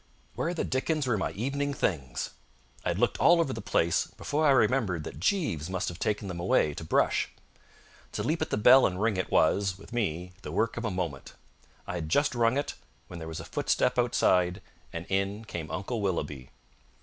Where the dickens were my evening things? I had looked all over the place before I remembered that Jeeves must have taken them away to brush. To leap at the bell and ring it was, with me, the work of a moment. I had just rung it when there was a footstep outside, and in came Uncle Willoughby.